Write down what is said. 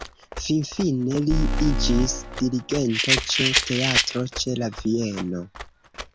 Finfine li iĝis dirigento ĉe Teatro ĉe la Vieno.